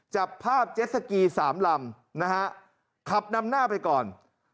จับภาพเจ็ดสกี๓ลำขับลำหน้าไปก่อน